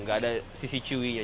nggak ada sisi cuinya